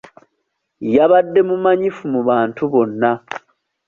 Yabadde mumanyifu mu bantu bonna.